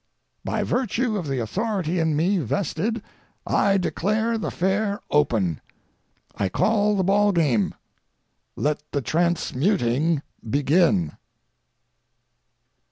By virtue of the authority in me vested I declare the fair open. I call the ball game. Let the transmuting begin!